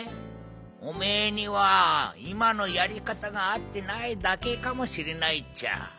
おめえにはいまのやりかたがあってないだけかもしれないっちゃ。